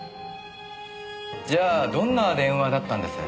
じゃあどんな電話だったんです？